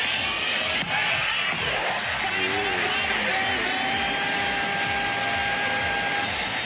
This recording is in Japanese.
最後はサービスエース。